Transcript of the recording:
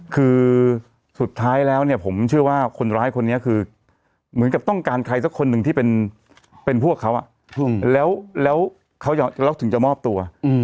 คือสุดท้ายแล้วเนี่ยผมเชื่อว่าคนร้ายคนนี้คือเหมือนกับต้องการใครสักคนหนึ่งที่เป็นพวกเขาแล้วถึงจะมอบตัว